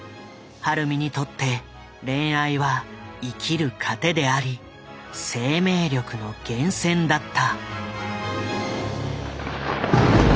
晴美にとって恋愛は生きる糧であり生命力の源泉だった。